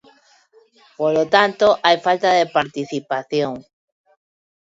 Polo tanto, hai falta de participación.